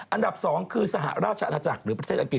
อันดับ๒คือสหราชอาณาจักรหรือประเทศอังกฤ